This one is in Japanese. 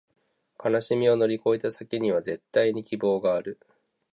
悲しみを乗り越えた先には、絶対に希望がある